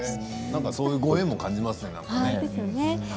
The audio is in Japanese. そういうご縁も感じますけどね。